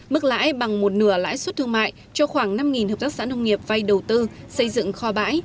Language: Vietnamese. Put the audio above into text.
mức lãi bằng một nửa lãi suất thương mại cho khoảng năm hợp tác xã nông nghiệp vay đầu tư xây dựng kho bãi